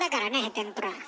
天ぷら。